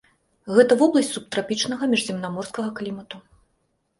Гэта вобласць субтрапічнага міжземнаморскага клімату.